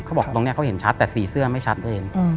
บอกตรงนี้เขาเห็นชัดแต่สีเสื้อไม่ชัดเอง